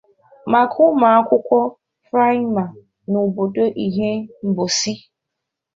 maka ụmụakwụkwọ praịma n'obodo Ihembosị